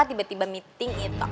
tiba tiba meeting itu